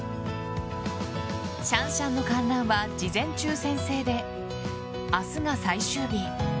シャンシャンの観覧は事前抽選制で明日が最終日。